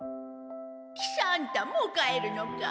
喜三太もう帰るのか？